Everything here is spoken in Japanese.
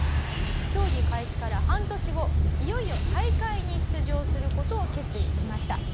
競技開始から半年後いよいよ大会に出場する事を決意しました。